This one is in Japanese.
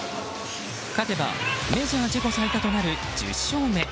勝てばメジャー自己最多となる１０勝目。